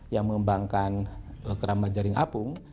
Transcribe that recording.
yang mengembangkan keramba jaring apung